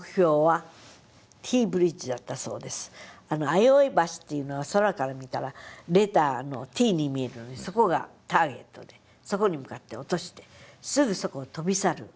相生橋っていうのは空から見たらレターの「Ｔ」に見えるのでそこがターゲットでそこに向かって落としてすぐそこを飛び去る。